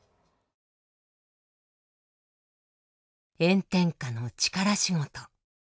炎天下の力仕事。